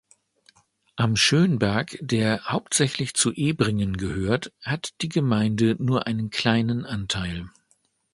Am Schönberg, der hauptsächlich zu Ebringen gehört, hat die Gemeinde nur einen kleinen Anteil.